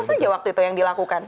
apa saja waktu itu yang dilakukan